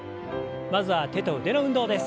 まずは手と腕の運動です。